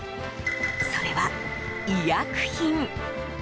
それは、医薬品。